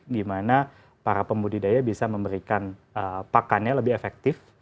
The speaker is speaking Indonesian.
di mana para pembudidaya bisa memberikan pakannya lebih efektif